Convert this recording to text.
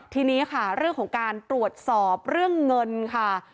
ทีนี้ค่ะเรื่องของการตรวจสอบเรื่องเงินค่ะ